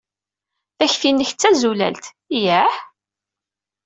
Takti-nnek d tazulalt. Yah?